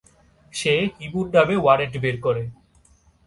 সে হিমুর নামে ওয়ারেন্ট বের করে।